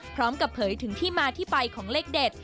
พร้อมกับเผยถึงที่มาที่ไปของเลขเด็ด